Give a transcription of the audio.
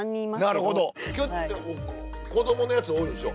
今日って子どものやつ多いんでしょ？